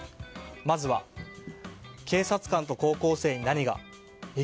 まずは警察官と高校生に何が？